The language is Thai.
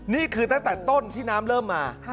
นี่คือตั้งแต่ต้นที่น้ำเริ่มมา